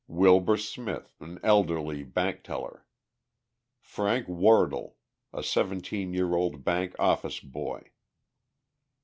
WILBUR SMITH, an elderly bank teller. FRANK WARDLE, a seventeen year old bank office boy.